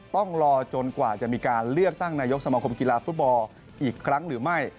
ต้องรอจนกว่าจะมีการเลือกตั้งนายกสมคมกีฬาฟุตบอลอีกครั้งหรือไม่